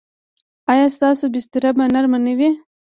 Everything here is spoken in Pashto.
ایا ستاسو بستره به نرمه نه وي؟